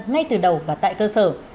ngay từ đầu và tại cơ sở